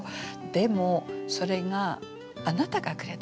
でもそれが「あなたがくれた」